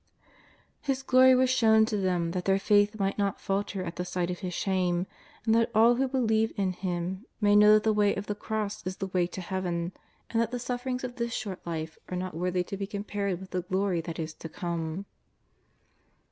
His glory was shown to them that their faith might not falter at the sight of His shame, and that all who believe in Him may know that the Way of the Cross is the Way to Heaven, and that the sufferings of this short life are not worthy to be compared with the glory that is to come.